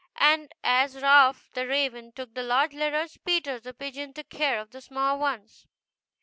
And as Ralph, the raven, took the large letters, Peter, the pigeon, took care of the small ones.